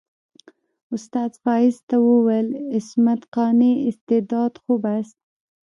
استاد فایز ته وویل عصمت قانع استعداد خوب است.